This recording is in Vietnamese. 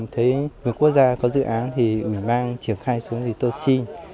thấy vừa quốc gia có dự án thì ủy ban triển khai xuống thì tôi xin